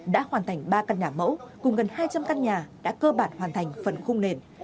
đã hoàn thành ba căn nhà mẫu cùng gần hai trăm linh căn nhà đã cơ bản hoàn thành phần khung nền